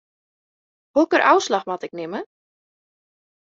Hokker ôfslach moat ik nimme?